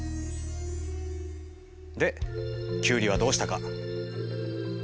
でキュウリはどうしたか？